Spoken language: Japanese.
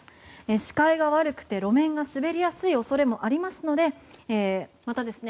視界が悪くて路面が滑りやすい恐れもありますのでまた